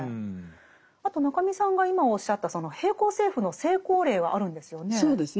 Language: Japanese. あと中見さんが今おっしゃったその並行政府の成功例はあるんですよね？